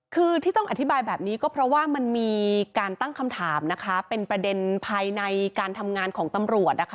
คือที่ต้องอธิบายแบบนี้ก็เพราะว่ามันมีการตั้งคำถามนะคะเป็นประเด็นภายในการทำงานของตำรวจนะคะ